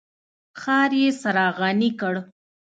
ښار یې څراغاني کړ.